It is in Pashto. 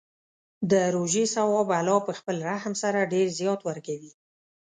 د روژې ثواب الله په خپل رحم سره ډېر زیات ورکوي.